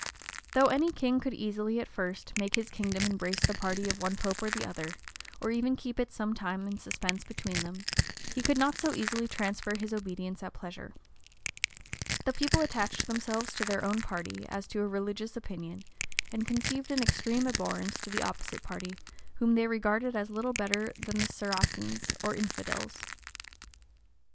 Though any king could easily, at first, make his kingdom embrace the party of one pope or the other, or even keep it some time in suspense between them, he could not so easily transfer his obedience at pleasure: the people attached themselves to their own party, as to a religious opinion; and conceived an extreme abhorrence to the opposite party, whom they regarded as little better than Saracens, or infidels.